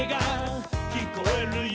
「きこえるよ」